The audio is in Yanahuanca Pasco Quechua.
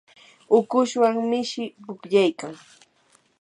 ukushwan mishi pukllaykayan.